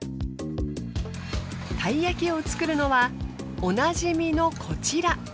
たい焼きを作るのはおなじみのこちら。